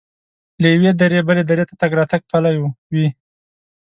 له یوې درې بلې درې ته تګ راتګ پلی وي.